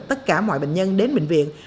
tất cả mọi bệnh nhân đến bệnh viện